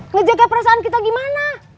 ngejaga perasaan kita gimana